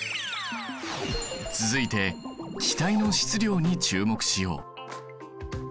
続いて気体の質量に注目しよう。